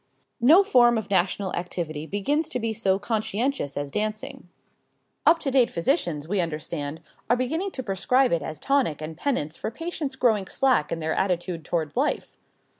No form of national activity begins to be so conscientious as dancing. Up to date physicians, we understand, are beginning to prescribe it as tonic and penance for patients growing slack in their attitude toward life.